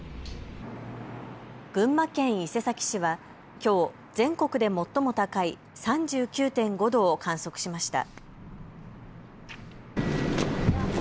群馬県伊勢崎市はきょう全国で最も高い３９．５度を観測しました。